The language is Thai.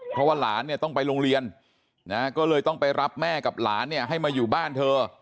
เพราะว่าหลานเนี่ยต้องไปโรงเรียนนะก็เลยต้องไปรับแม่กับหลานเนี่ยให้มาอยู่บ้านเธอ